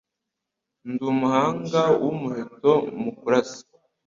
Ndi umuhanga w' umuheto mukurasa